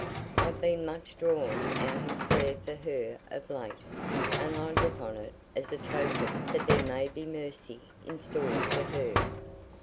I've been much drawn out in prayer for her of late, and I look on it as a token that there may be mercy in store for her."